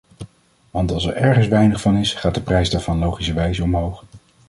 Want als er ergens weinig van is, gaat de prijs daarvan logischerwijze omhoog.